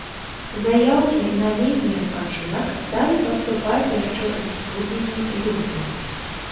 Заяўкі на летні адпачынак сталі паступаць яшчэ ў студзені-лютым.